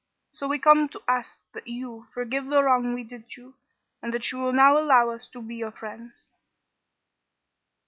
So we come to ask that you forgive the wrong we did you, and that you will now allow us to be your friends."